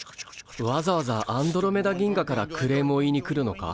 わざわざアンドロメダ銀河からクレームを言いに来るのか？